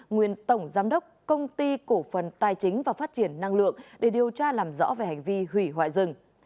nguyên tổng giám đốc công ty cổ phần tài chính và phát triển năng lượng để điều tra làm rõ về hành vi hủy hoại rừng